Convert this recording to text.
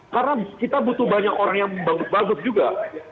karena kita butuh banyak orang yang bagus bagus juga